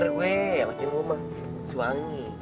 sampai jumpa lagi